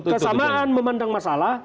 kesamaan memandang masalah